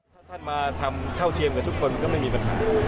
ถ้าท่านมาทำเท่าเทียมกับทุกคนก็ไม่มีปัญหา